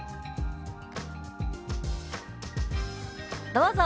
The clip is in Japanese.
どうぞ。